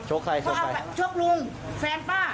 โชคใครโชคลุงแฟนป้า